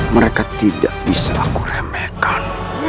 mereka tidak bisa aku remehkan